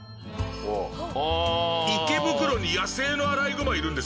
池袋に野生のアライグマいるんですよ。